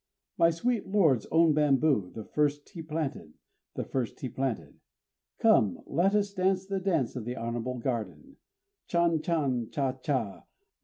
_ My sweet lord's own bamboo, the first he planted, The first be planted? Come! let us dance the Dance of the Honorable Garden! _Chan chan! Cha cha!